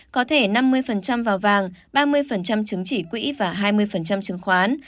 có thể năm mươi vào vàng ba mươi trứng chỉ quỹ và hai mươi trứng khoán